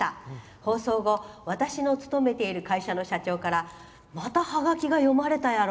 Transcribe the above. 放送後、私の勤めている会社の社長からまたはがきが読まれたやろ？